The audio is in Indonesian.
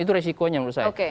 itu resikonya menurut saya